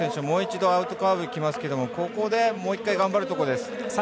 もう一度、アウトカーブきますがここで、もう１回頑張るところです。